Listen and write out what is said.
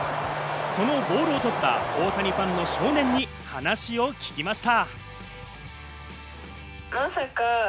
そのボールを取った大谷ファンの少年に話を聞きました。